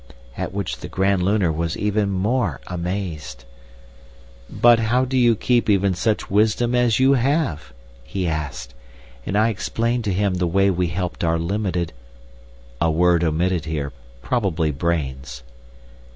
At which the Grand Lunar was even more amazed. "'But how do you keep even such wisdom as you have?' he asked; and I explained to him the way we helped our limited [A word omitted here, probably "brains."